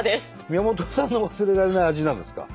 宮本さんの忘れられない味なんですか？